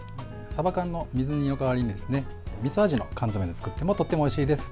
さば缶の水煮の代わりにみそ味の缶詰で作ってもとてもおいしいです。